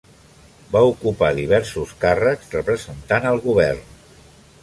Va ocupar diversos càrrecs representant al govern.